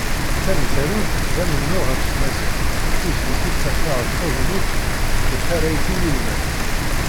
Taneggarut, d amennuɣ ɣef tmaziɣt, d tizlit i ttafeɣ d tagnit d tarrayt iwulmen.